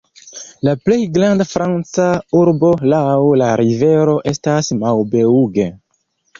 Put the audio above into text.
La plej granda franca urbo laŭ la rivero estas Maubeuge.